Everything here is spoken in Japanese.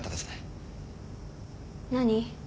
何？